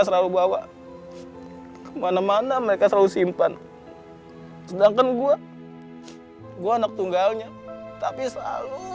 selalu bawa kemana mana mereka selalu simpan sedangkan gua gua anak tunggalnya tapi selalu